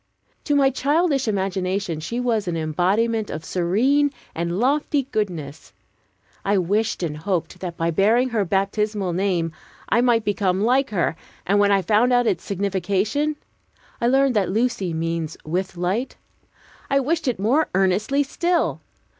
To my childish imagination she was an embodiment of serene and lofty goodness. I wished and hoped that by bearing her baptismal name I might become like her; and when I found out its signification (I learned that "Lucy" means "with light"), I wished it more earnestly still.